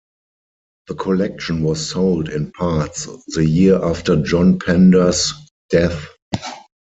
The collection was sold in parts the year after John Pender's death.